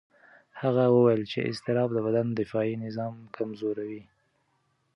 هغه وویل چې اضطراب د بدن دفاعي نظام کمزوي.